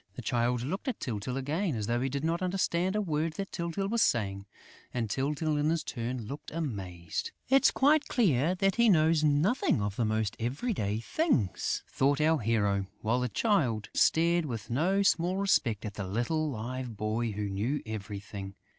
The Child looked at Tyltyl again as though he did not understand a word that Tyltyl was saying; and Tyltyl in his turn looked amazed: "It's quite clear that he knows nothing of the most everyday things," thought our hero, while the child stared with no small respect at "the little Live Boy" who knew everything.